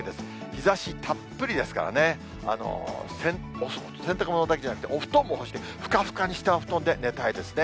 日ざしたっぷりですからね、洗濯物だけじゃなくて、お布団も干して、ふかふかにしたお布団で寝たいですね。